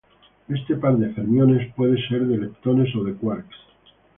Este par de fermiones puede ser de leptones o de quarks.